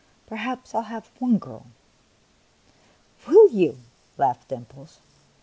" Perhaps 1 11 have one girl." " Will you ?" laughed Dimples.